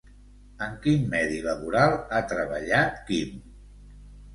En quin medi laboral ha treballat Quim?